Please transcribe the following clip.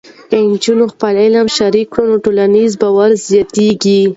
که نجونې خپل علم شریک کړي، نو ټولنیز باور زیاتېږي.